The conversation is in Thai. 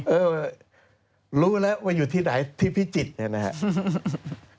เออรู้แล้วว่าอยู่ที่ไหนที่พิจิตรเนี่ยนะครับ